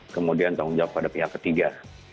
kemudian tanggung jawab pada pihak ketiga